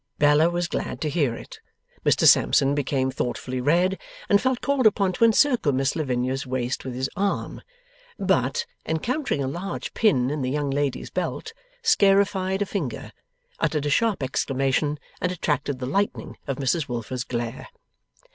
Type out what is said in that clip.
Bella was glad to hear it. Mr Sampson became thoughtfully red, and felt called upon to encircle Miss Lavinia's waist with his arm; but, encountering a large pin in the young lady's belt, scarified a finger, uttered a sharp exclamation, and attracted the lightning of Mrs Wilfer's glare.